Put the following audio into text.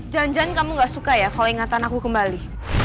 jangan jangan kamu gak suka ya kalau ingatan aku kembali